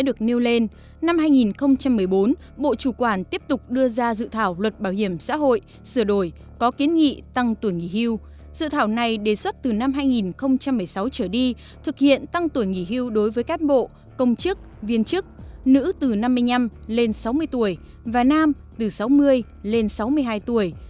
đề xuất từ năm hai nghìn một mươi sáu trở đi thực hiện tăng tuổi nghỉ hưu đối với các bộ công chức viên chức nữ từ năm mươi năm lên sáu mươi tuổi và nam từ sáu mươi lên sáu mươi hai tuổi